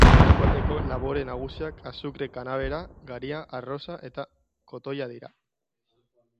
Eskualdeko labore nagusiak azukre-kanabera, garia, arroza eta kotoia dira.